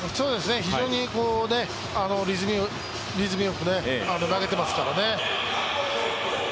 非常にリズムよく投げていますからね。